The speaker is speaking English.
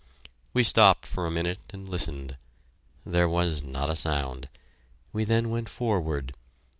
We stopped for a minute and listened. There was not a sound. We then went forward.